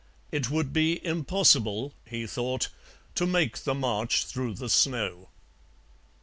It would be impossible, he thought, to make the march through the snow.